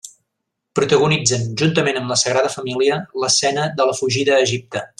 Protagonitzen, juntament amb la Sagrada Família, l'escena de la fugida a Egipte.